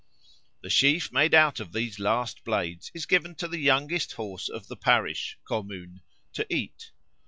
The sheaf made out of these last blades is given to the youngest horse of the parish (commune) to eat.